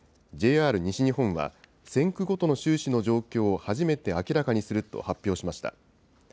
ＪＲ西日本は、線区ごとの収支の状況を、初めて明らかにすると発表しました。